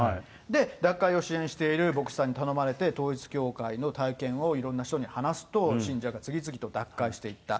脱会を支援している牧師さんに頼まれて、統一教会の体験をいろんな人に話すと、信者が次々と脱会していった。